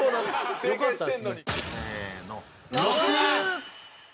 正解してんのにせーの６！